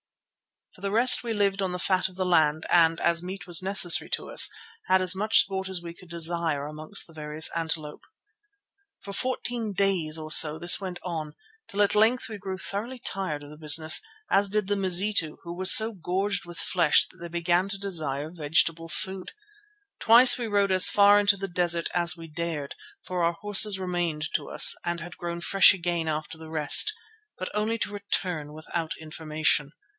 For the rest we lived on the fat of the land and, as meat was necessary to us, had as much sport as we could desire among the various antelope. For fourteen days or so this went on, till at length we grew thoroughly tired of the business, as did the Mazitu, who were so gorged with flesh that they began to desire vegetable food. Twice we rode as far into the desert as we dared, for our horses remained to us and had grown fresh again after the rest, but only to return without information.